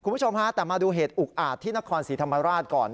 คุณผู้ชมฮะแต่มาดูเหตุอุกอาจที่นครศรีธรรมราชก่อน